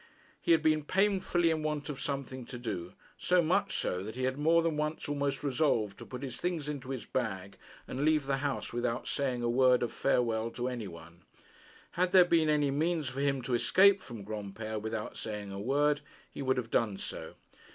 He had been painfully in want of something to do, so much so that he had more than once almost resolved to put his things into his bag, and leave the house without saying a word of farewell to any one. Had there been any means for him to escape from Granpere without saying a word, he would have done so.